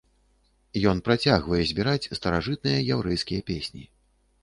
Ён працягвае збіраць старажытныя яўрэйскія песні.